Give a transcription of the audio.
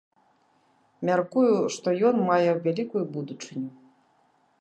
Мяркую, што ён мае вялікую будучыню.